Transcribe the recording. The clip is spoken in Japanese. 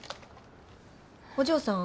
お嬢さん。